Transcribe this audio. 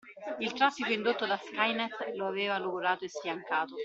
Il traffico indotto da Skynet lo aveva logorato e sfiancato.